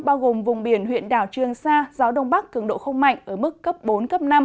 bao gồm vùng biển huyện đảo trương sa gió đông bắc cường độ không mạnh ở mức cấp bốn cấp năm